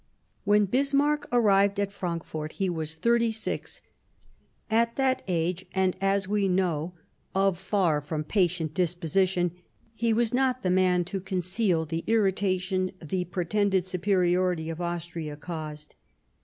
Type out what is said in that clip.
When Bismarck arrived at Frankfort he was thirty six ; at that age, and, as we knoAv, of far from patient disposition, he was not the man to conceal the irritation the pretended superiority of Austria caused.